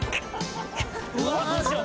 うわどうしよう。